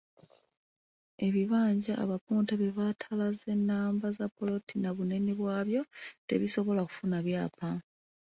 Ebibanja abapunta bye batalaze nnamba za ppoloti na bunene bwabyo tebisobola kufuna byapa.